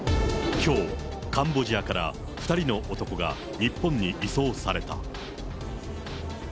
きょう、カンボジアから２人の男が日本に移送された。